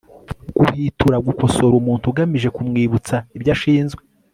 guhwitura gukosora umuntu ugamije kumwibutsa ibyo ashinzwe